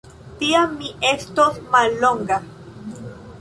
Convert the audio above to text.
Tiam mi estos mallonga.